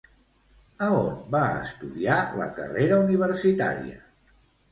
A on va estudiar la carrera universitària?